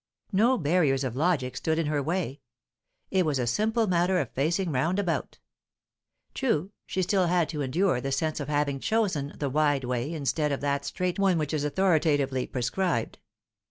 No barriers of logic stood in her way; it was a simple matter of facing round about. True, she still had to endure the sense of having chosen the wide way instead of that strait one which is authoritatively prescribed.